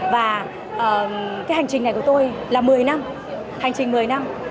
và cái hành trình này của tôi là một mươi năm hành trình một mươi năm